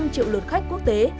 năm triệu lượt khách quốc tế